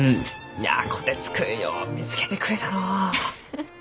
いや虎鉄君よう見つけてくれたのう。